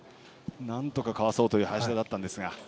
なんとかかわそうという林田だったんですが。